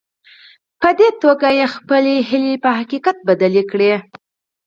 په دې توګه يې خپلې هيلې په حقيقت بدلې کړې.